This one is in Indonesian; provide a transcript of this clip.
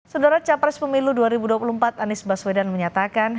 saudara capres pemilu dua ribu dua puluh empat anies baswedan menyatakan